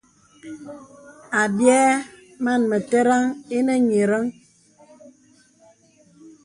Àbyɛ̌ màn mə̀tə̀ràŋ ìnə nyə̀rəŋ.